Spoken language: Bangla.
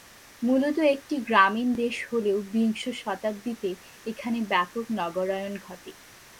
মূলত একটি গ্রামীণ দেশ হলেও বিংশ শতাব্দীতে এখানে ব্যাপক নগরায়ন ঘটে।